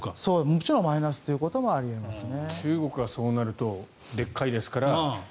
もちろんマイナスということもあり得ますね。